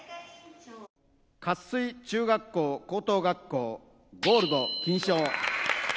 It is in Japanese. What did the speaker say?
活水中学校・高等学校、ゴールド金賞。